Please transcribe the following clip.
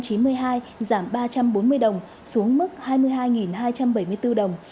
giá mặt hàng xăng ron chín trăm năm mươi ba giảm hai trăm bốn mươi đồng xuống mức hai mươi hai hai trăm bảy mươi bốn đồng